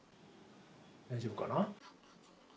大丈夫かな。